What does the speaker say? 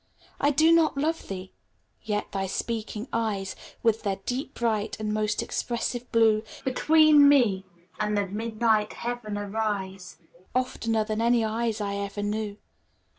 I do not love thee ! ŌĆö yet thy speaking eyes, With their deep, bright, and most expressive blue, Between me and the midnight heaven arise, Oftener than any eyes I ever knew.